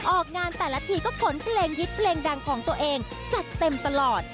ออกงานแต่ละทีก็ขนเพลงฮิตเพลงดังของตัวเองจัดเต็มตลอด